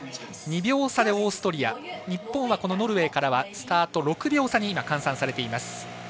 ２秒差でオーストリア日本はノルウェーからはスタート６秒差に換算されています。